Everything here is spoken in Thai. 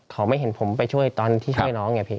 เขาไม่เห็นผมไปช่วยตอนที่ช่วยน้องไงพี่